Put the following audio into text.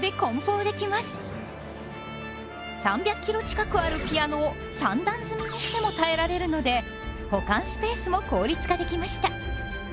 ３００ｋｇ近くあるピアノを三段積みにしても耐えられるので保管スペースも効率化できました。